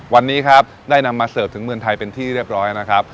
วันนี้ครับได้นำมาเสิร์ฟถึงเมืองไทยเป็นที่เรียบร้อยนะครับ